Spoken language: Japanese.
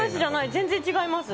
全然違います。